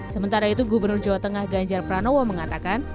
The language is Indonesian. sementara itu gubernur jawa tengah ganjar pranowo mengatakan